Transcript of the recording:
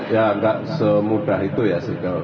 ya nggak semudah itu ya